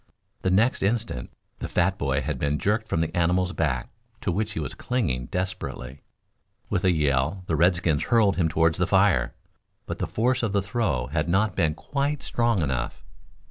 The next instant the fat boy had been jerked from the animal's back, to which he was clinging desperately. With a yell the redskins hurled him toward the fire. But the force of the throw had not been quite strong enough.